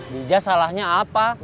dija salahnya apa